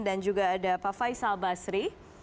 dan juga ada pak faisal basri